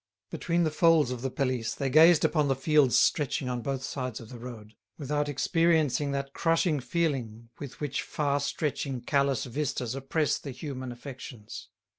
Between the folds of the pelisse they gazed upon the fields stretching on both sides of the road, without experiencing that crushing feeling with which far stretching callous vistas oppress the human affections.